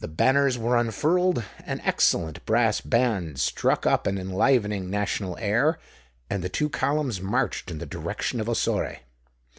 The banners were unfurled; an excellent brass band struck up an enlivening national air; and the two columns marched in the direction of Ossore.